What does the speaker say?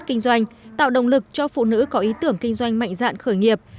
kinh doanh tạo động lực cho phụ nữ có ý tưởng kinh doanh mạnh dạn khởi nghiệp